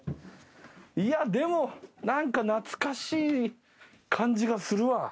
でも何か懐かしい感じがするわ。